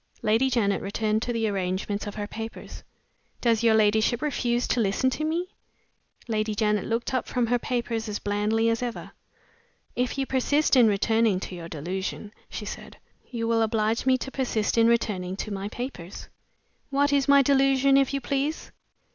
Lady Janet returned to the arrangement of her papers. "Does your ladyship refuse to listen to me?" Lady Janet looked up from her papers as blandly as ever. "If you persist in returning to your delusion," she said, "you will oblige me to persist in returning to my papers." "What is my delusion, if you please?"